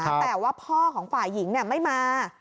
แต่ว่าพ่อของฝ่ายหญิงไม่มา